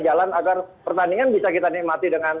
jalan agar pertandingan bisa kita nikmati dengan